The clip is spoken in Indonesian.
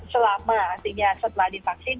selama setelah divaksin